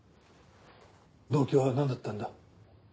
動機はなんだったんだ？